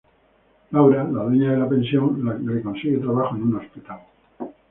Laura, la dueña de la pensión le consigue trabajo en un hospital.